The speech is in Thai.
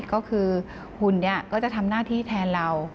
ก็คือหุ่นนี้ก็จะทำหน้าที่แทนเรา